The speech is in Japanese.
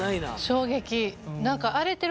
衝撃。